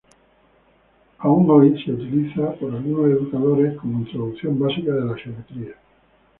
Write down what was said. Aún hoy se utiliza por algunos educadores como introducción básica de la geometría.